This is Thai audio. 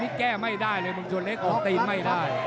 นี่แก้ไม่ได้เลยมึงชวนเล็กออกตีนไม่ได้